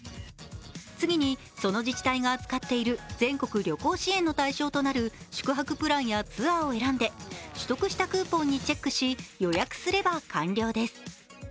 次にその自治体が扱っている全国旅行支援の対象になる宿泊プランやツアーを選んで取得したクーポンにチェックし、予約すれば完了です。